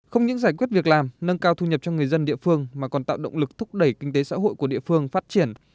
không những giải quyết việc làm nâng cao thu nhập cho người dân địa phương mà còn tạo động lực thúc đẩy kinh tế xã hội của địa phương phát triển